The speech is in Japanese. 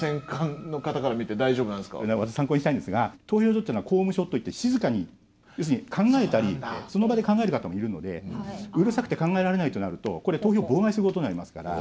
遠井さん参考にしたいんですが投票所というのは公務所といって静かに要するに考えたりその場で考える方もいるのでうるさくて考えられないとなるとこれ投票を妨害することになりますから。